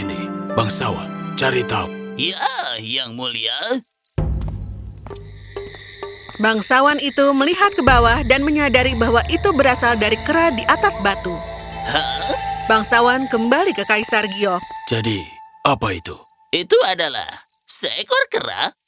itu adalah seekor kerak